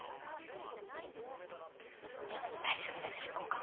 大丈夫です執行官。